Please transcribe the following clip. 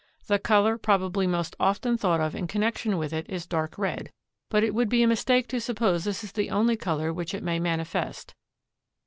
The color probably most often thought of in connection with it is dark red, but it would be a mistake to suppose this the only color which it may manifest.